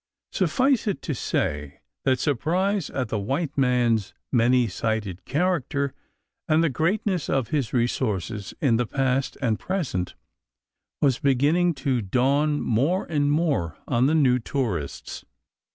Suffice it to say that surprise at the white man's many sided character and the greatness of his resources in the past and present was beginning to dawn more and more on the new tourists.